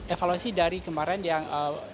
evaluasi dari kemarin yang